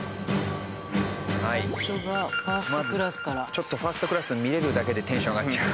ちょっとファーストクラスが見れるだけでテンション上がっちゃう。